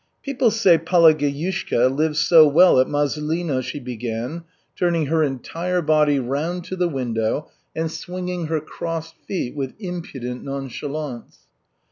"People say Palageyushka lives so well at Mazulino," she began, turning her entire body round to the window and swinging her crossed feet with impudent nonchalance.